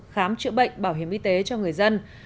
khám chữa bệnh bảo hiểm y tế cho người dân